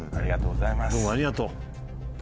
どうもありがとう。